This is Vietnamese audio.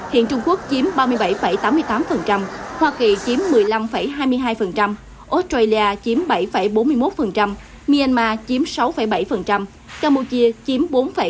hiện trung quốc chiếm ba mươi bảy tám mươi tám hoa kỳ chiếm một mươi năm hai mươi hai australia chiếm bảy bốn mươi một myanmar chiếm sáu bảy campuchia chiếm bốn bảy